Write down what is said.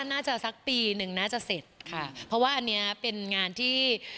สักปีหนึ่งน่าจะเสร็จค่ะเพราะว่าอันเนี้ยเป็นงานที่